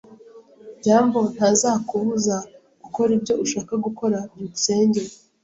byambo ntazakubuza gukora ibyo ushaka gukora. byukusenge